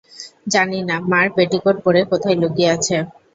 জানি না, মার পেটিকোট পরে কোথায় লুকিয়ে আছে!